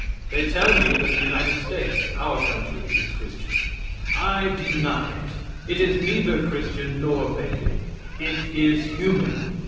They tell me that the United States our country is Christian. I deny it. It is neither Christian nor pagan; it is human.